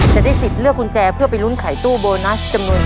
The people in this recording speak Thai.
จะได้สิทธิ์เลือกกุญแจเพื่อไปลุ้นไขตู้โบนัสจำนวน